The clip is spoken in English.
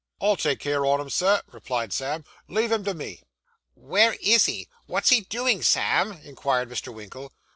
'I'll take care on him, sir,' replied Sam. 'Leave him to me.' 'Where is he? What's he doing, Sam?' inquired Mr. Winkle.